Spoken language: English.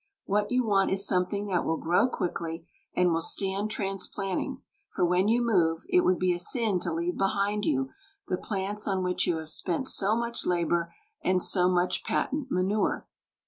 What you want is something that will grow quickly, and will stand transplanting, for when you move it would be a sin to leave behind you the plants on which you have spent so much labour and so much patent manure.